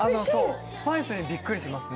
スパイスにビックリしますね。